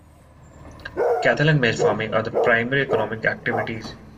Cattle and maize farming are the primary economic activities.